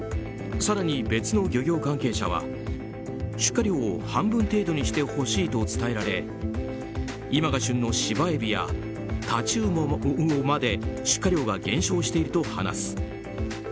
更に別の漁業関係者は出荷量を半分程度にしてほしいと伝えられ、今が旬のシバエビやタチウオまで出荷量が減少していると話す。